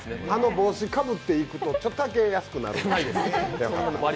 あの帽子をかぶって行くと、ちょっとだけ安くなる。